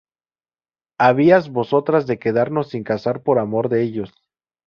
¿habías vosotras de quedaros sin casar por amor de ellos?